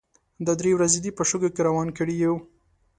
دا درې ورځې دې په شګو کې روان کړي يو.